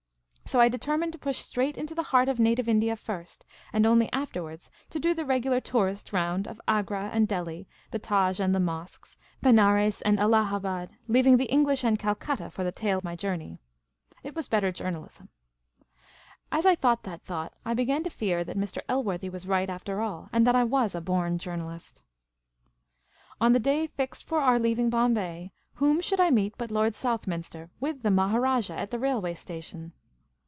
So I determined to puj h straight into the heart of native India first, and only after wards to do the regulation tourist round of Agra and Delhi, the Taj and the mosques, Benares and Allahabad, leaving the English and Calcutta for the tail end of my journey. 244 Miss Caylcy's Adventures It was better journalism. As I thought that thought, I began to fear that Mr. El worthy was right after all, and that I was a born journalist. On the day fixed for our leaving Bombay, whom should I meet but Lord Southminster — with the Maharajah — at the railway station